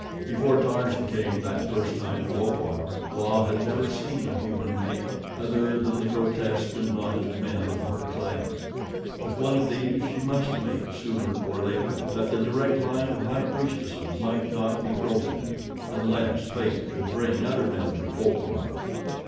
Before Tarzan came that first time to Opar, La had never seen a human male other than the grotesque and knotted men of her clan. With one of these she must mate sooner or later that the direct line of high priestesses might not be broken, unless Fate should bring other men to Opar.